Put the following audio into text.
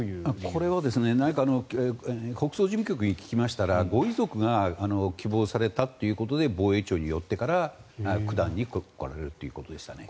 これは国葬事務局に聞きましたらご遺族が希望されたということで防衛庁に寄ってから九段に来るということですね。